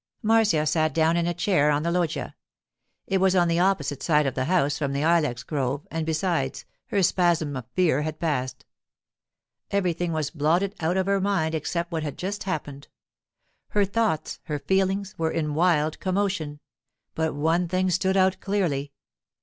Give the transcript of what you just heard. Marcia sat down in a chair on the loggia. It was on the opposite side of the house from the ilex grove, and besides, her spasm of fear had passed. Everything was blotted out of her mind except what had just happened. Her thoughts, her feelings, were in wild commotion; but one thing stood out clearly.